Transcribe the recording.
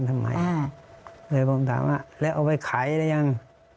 เอาไปหลอมใหม่เลยผมถามว่าแล้วเอาไปขายแล้วยัง